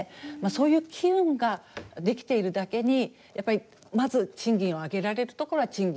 そういう機運ができているだけにやっぱりまず賃金を上げられるところは賃金を上げる。